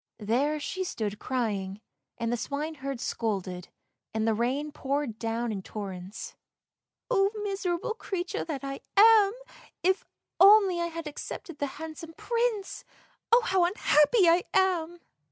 There she stood crying, and the swineherd scolded, and the rain poured down in torrents. " Oh, miserable creature that I am ! if only I had accepted the handsome Prince. Oh, how unhappy I am!